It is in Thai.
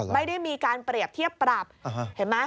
ไม่ได้มีการเปรียบเทียบปรับเห็นไหม